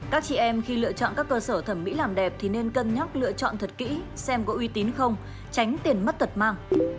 các chị em khi lựa chọn các cơ sở thẩm mỹ làm đẹp thì nên cân nhắc lựa chọn thật kỹ xem có uy tín không tránh tiền mất tật mang